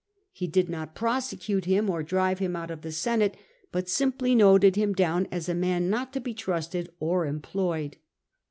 He did not prosecute him, or drive him out of the Senate, but simply noted him down as a man not to be trusted or employed.